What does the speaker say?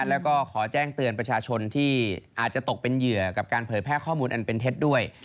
แล้วก็ขอแจ้งเตือนประชาชนที่อาจจะตกเป็นเหยื่อกับการเผยแพร่ข้อมูลอันเป็นเท็จด้วย